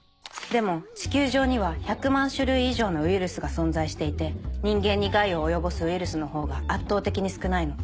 でも地球上には１００万種類以上のウイルスが存在していて人間に害を及ぼすウイルスのほうが圧倒的に少ないの。